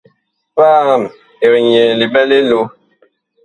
Paam ɛg nyɛɛ liɓɛ li loh.